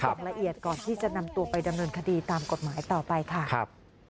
อย่างละเอียดก่อนที่จะนำตัวไปดำเนินคดีตามกฎหมายต่อไปค่ะครับ